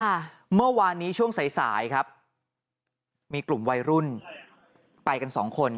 เมื่อวานนี้ช่วงสายสายครับมีกลุ่มวัยรุ่นไปกันสองคน